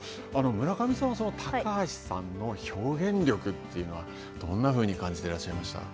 村上さんは、高橋さんの表現力というのは、どんなふうに感じていらっしゃいました。